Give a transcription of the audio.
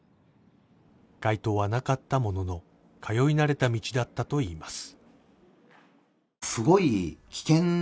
街灯はなかったものの通い慣れた道だったといいます